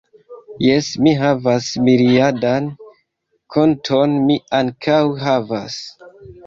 Jes, mi havas miriadan konton, mi ankaŭ havas